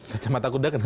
kacamata kuda kenapa